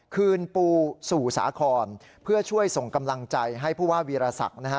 คืนปูสู่สาครเพื่อช่วยส่งกำลังใจให้ผู้ว่าวีรศักดิ์นะฮะ